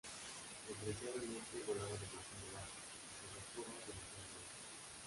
Desgraciadamente, volaba demasiado bajo y, sobre todo, demasiado lento.